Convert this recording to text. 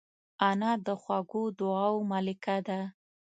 انا د خوږو دعاوو ملکه ده